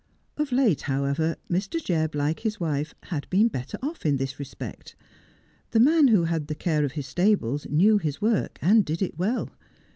Of late, however, Mr. Jebb, like his wife, had been better off in this respect. The man who had the care of his stables knew his work and did it well.